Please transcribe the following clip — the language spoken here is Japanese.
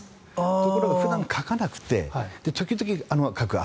ところが普段かかなくて時々かく汗。